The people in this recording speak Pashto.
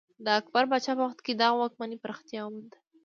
د اکبر پاچا په وخت کې دغه واکمنۍ پراختیا ومونده.